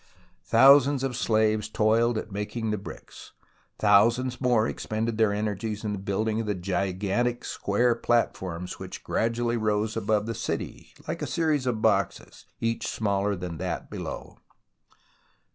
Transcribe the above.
Thousands of slaves toiled at making the bricks, thousands more ex pended their energies in the building of the gigantic square platforms which gradually rose above the 156 THE ROMANCE OF EXCAVATION city like a series of boxes, each smaller than that below.